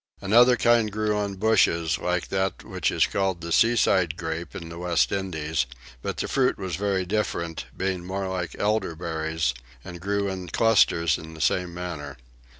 Another kind grew on bushes like that which is called the seaside grape in the West Indies, but the fruit was very different, being more like elderberries, and grew in clusters in the same manner.